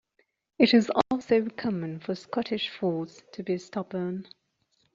It is also common for Scottish Folds to be stubborn.